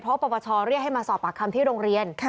เพราะปปชเรียกให้มาสอบปากคำที่โรงเรียน